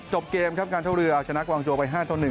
จบเกมการเท่าเรือชนะกวางโจวไป๕๑